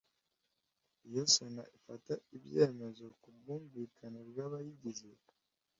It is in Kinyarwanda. Iyo Sena ifata ibyemezo ku bwumvikane bw’abayigize